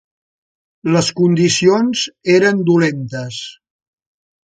Les condicions eres dolentes.